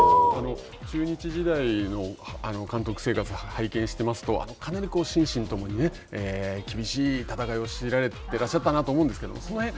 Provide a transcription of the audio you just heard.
中日時代の監督生活、拝見していますと、かなり心身ともに厳しい戦いを強いられてらっしゃったなと思いますけどその辺は。